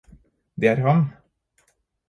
Det er ham